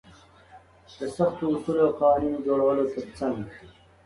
د سختو اصولو او قوانينونو د جوړولو تر څنګ.